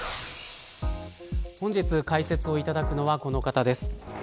本日解説をいただくのはこの方です。